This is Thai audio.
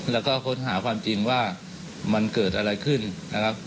แล้วก็ค้นหาความจริงว่ามันเกิดอะไรขึ้นนะครับ